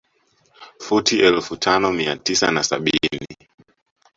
Futi elfu tano mia tisa na sabini